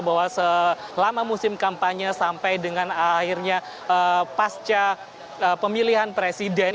bahwa selama musim kampanye sampai dengan akhirnya pasca pemilihan presiden